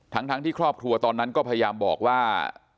ทั้งที่ครอบครัวตอนนั้นก็พยายามบอกว่า